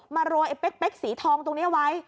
มาโรยไอ้เป๊คสีทองตรงนี้ไว้